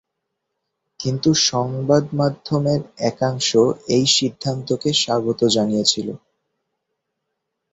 কিন্তু সংবাদমাধ্যমের একাংশ এই সিদ্ধান্তকে স্বাগত জানিয়েছিল।